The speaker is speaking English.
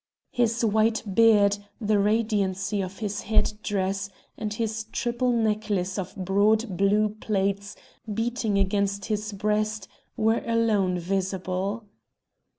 His white beard, the radiancy of his head dress, and his triple necklace of broad blue plates beating against his breast, were alone visible.